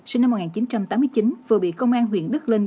sinh năm một nghìn chín trăm tám mươi chín vừa bị công an huyện đức linh